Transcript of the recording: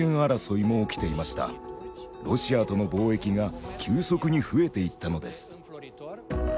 ロシアとの貿易が急速に増えていったのです。